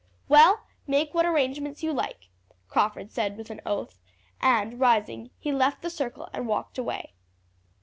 "Well, make what arrangements you like," Crawford said with an oath, and rising he left the circle and walked away.